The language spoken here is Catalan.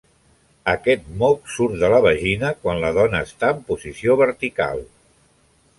Aquest moc surt de la vagina quan la dona està en posició vertical.